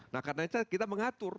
nah karena itu kita mengatur